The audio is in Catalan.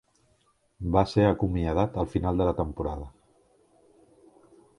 Va ser acomiadat al final de la temporada.